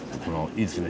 いいですね